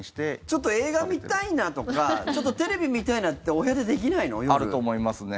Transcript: ちょっと映画見たいなとかちょっとテレビ見たいなってあると思いますね。